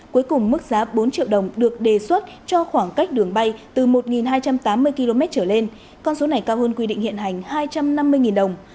cuối cùng mức giá bốn triệu đồng được đề xuất cho khoảng cách đường bay từ một hai trăm tám mươi km trở lên con số này cao hơn quy định hiện hành hai trăm năm mươi đồng